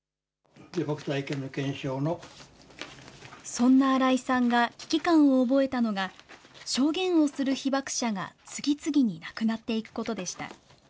そんな新井さんが危機感を覚えたのが、証言をする被爆者が次々に亡くなっていくことでした。